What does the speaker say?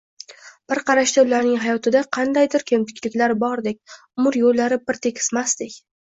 Bir qarashda, ularning hayotida qandaydir kemtiklar bordek, umr yo`llari bir tekismasdek